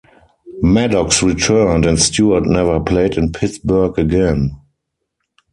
Maddox returned, and Stewart never played in Pittsburgh again.